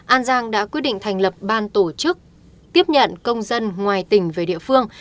an giang đã quyết định thành lập ban tổ chức tiếp nhận công dân ngoài tỉnh về địa phương